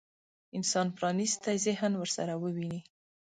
انسان پرانيستي ذهن ورسره وويني.